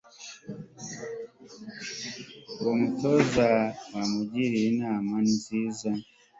Uwo mutoza yamugiriye inama nziza